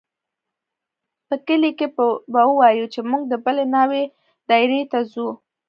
په کلي کښې به ووايو چې موږ د بلې ناوې دايرې ته ځو.